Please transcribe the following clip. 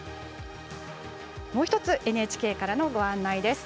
もう１つＮＨＫからのご案内です。